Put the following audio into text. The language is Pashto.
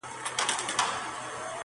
شېخ د خړپا خبري پټي ساتي.